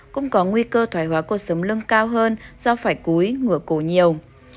cũng có nguy cơ thoài hóa cột sống lưng cao hơn do phải cúi ngửa cổ nhiều